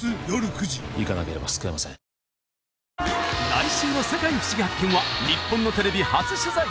来週の「世界ふしぎ発見！」は日本のテレビ初取材！